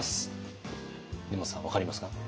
根本さん分かりますか？